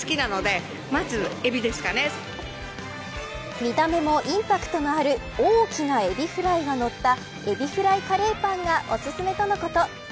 見た目もインパクトのある大きなエビフライがのったエビフライカレーパンがおすすめとのこと。